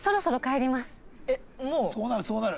そうなるそうなる。